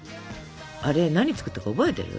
あれ何作ったか覚えてる？